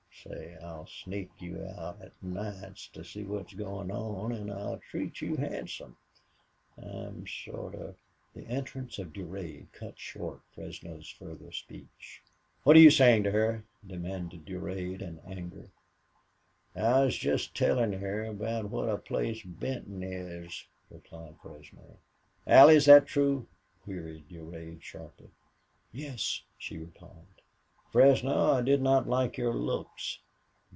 Say, I'll sneak you out at nights to see what's goin' on, an' I'll treat you handsome. I'm sorta " The entrance of Durade cut short Fresno's further speech. "What are you saying to her?" demanded Durade, in anger. "I was jest tellin' her about what a place Benton is," replied Fresno. "Allie, is that true?" queried Durade, sharply. "Yes," she replied. "Fresno, I did not like your looks."